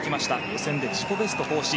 予選で自己ベスト更新